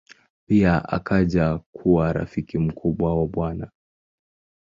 Pia akaja kuwa rafiki mkubwa wa Bw.